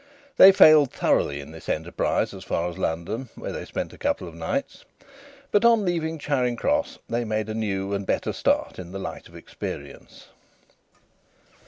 They failed thoroughly in this enterprise as far as London, where they spent a couple of nights, but on leaving Charing Cross they made a new and a better start, in the light of experience.